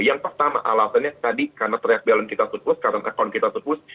yang pertama alasannya tadi karena teriak balance kita surplus karena account kita surplus